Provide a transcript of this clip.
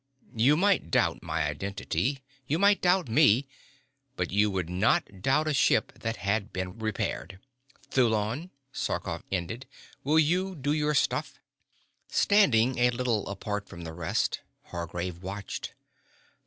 You might doubt my identity, you might doubt me, but you would not doubt a ship that had been repaired. Thulon," Sarkoff ended, "will you do your stuff?" Standing a little apart from the rest Hargraves watched.